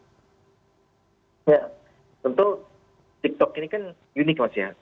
tiktok ini kan unik mas ya